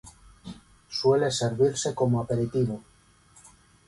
Suele servirse como aperitivo.